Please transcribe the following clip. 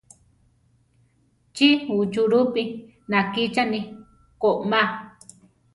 Chi uchulúpi nakíchani komá?